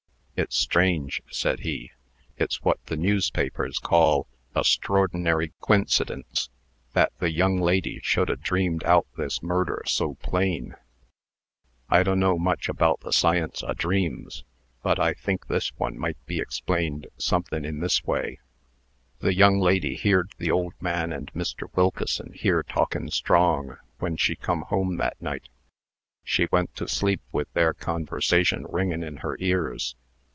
"It's strange," said he. "It's what the newspapers call a 'strordinary quincidence,' that the young lady should 'a' dreamed out this murder so plain. I do' 'no' much about the science o' dreams, but I think this one might be explained somethin' in this way: The young lady heerd the old man and Mr. Wilkeson here talkin' strong, when she come home that night. She went to sleep with their conversation ringin' in her ears.